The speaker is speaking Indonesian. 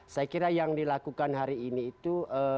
saya kira yang dilakukan hari ini itu